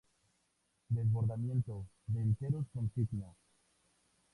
Desbordamiento de enteros con signo